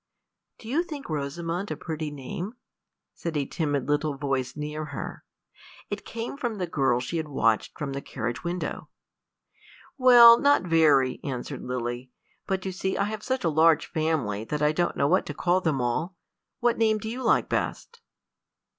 "Do you think Rosamond a pretty name?" said a timid little voice near her. It came from the girl she had watched from the carriage window. "Well, not very," answered Lily; "but you see I have such a large family that I don't know what to call them all. What name do you like best?"